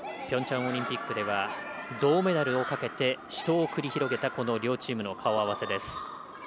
ピョンチャンオリンピックでは銅メダルをかけて死闘を繰り広げたこの両チームの顔合わせです。